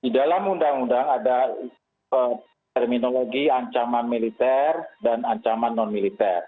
dalam undang undang ada terminologi ancaman militer dan ancaman non militer